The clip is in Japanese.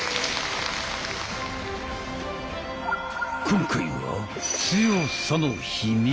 今回は「強さの秘密」。